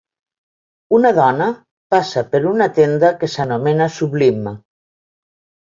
Una dona passa per una tenda que s'anomena Sublime.